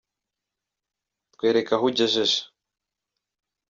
Twereke aho ugejeje